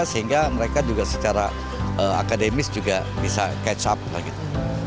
sehingga mereka juga secara akademis juga bisa catch up lah gitu